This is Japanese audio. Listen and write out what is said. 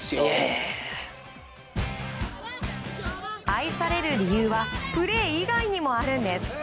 愛される理由はプレー以外にもあるんです。